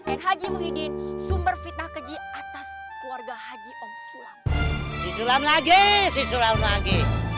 dan haji muhyiddin sumber fitnah keji atas keluarga haji om sulam sulam lagi siswa lagi